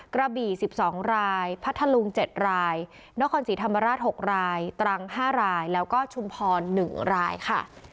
กระบี่๑๒รายพัทธลุง๗รายนครศรีธรรมราช๖รายตรัง๕รายแล้วก็ชุมพร๑รายค่ะ